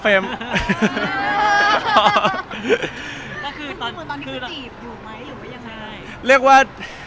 คุณคุณตอนนี้คุณจีบอยู่ไหมหรือยังไง